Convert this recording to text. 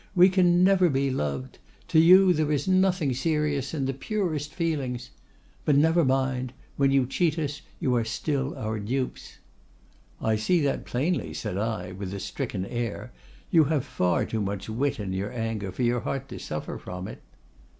we never can be loved. To you there is nothing serious in the purest feelings. But never mind; when you cheat us you still are our dupes!'—'I see that plainly,' said I, with a stricken air; 'you have far too much wit in your anger for your heart to suffer from it.